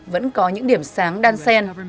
vẫn có những điểm sáng đan sen